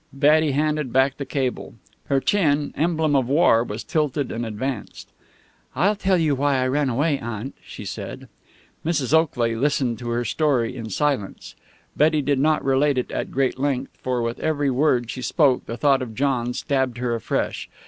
Betty handed back the cable. Her chin, emblem of war, was tilted and advanced. "I'll tell you why I ran away, Aunt," she said. Mrs. Oakley listened to her story in silence. Betty did not relate it at great length, for with every word she spoke, the thought of John stabbed her afresh.